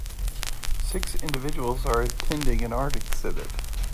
Six individuals are attending an art exhibit.